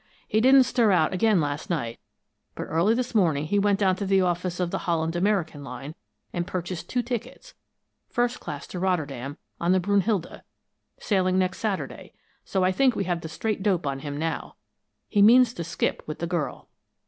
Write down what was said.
"He didn't stir out again last night, but early this morning he went down to the office of the Holland American line, and purchased two tickets, first class to Rotterdam, on the Brunnhilde, sailing next Saturday, so I think we have the straight dope on him now. He means to skip with the girl."